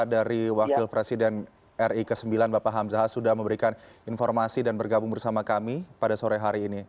dari wakil presiden ri ke sembilan bapak hamzahas sudah memberikan informasi dan bergabung bersama kami pada sore hari ini